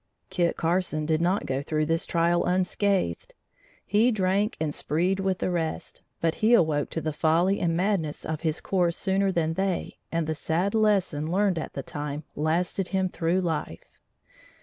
Kit Carson did not go through this trial unscathed. He drank and spreed with the rest, but he awoke to the folly and madness of his course sooner than they and the sad lesson learned at the time lasted him through life.